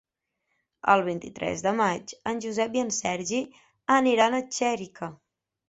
El vint-i-tres de maig en Josep i en Sergi aniran a Xèrica.